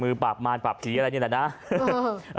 เมื่อปราบมารปราบผีอะไรแบบนี้นะเออเออ